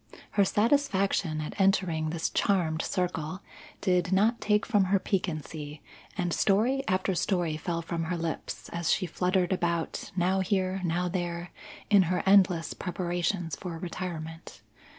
Her satisfaction at entering this charmed circle did not take from her piquancy, and story after story fell from her lips, as she fluttered about, now here now there, in her endless preparations for retirement.